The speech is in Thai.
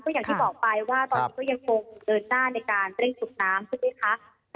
อย่างที่บอกไปว่าตอนนี้ก็ยังคงเดินหน้าในการเร่งสูบน้ำใช่ไหมคะ